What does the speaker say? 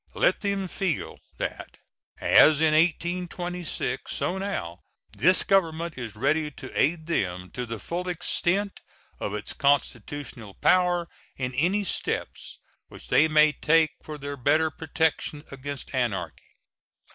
Let them feel that, as in 1826, so now, this Government is ready to aid them to the full extent of its constitutional power in any steps which they may take for their better protection against anarchy.